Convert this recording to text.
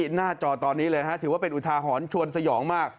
หน้าจอตอนนี้เลยนะฮะถือว่าเป็นอุทาหรณ์ชวนสยองมาก